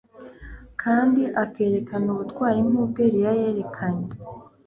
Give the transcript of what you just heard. kandi akerekana ubutwari nkubwo Eliya yerekenye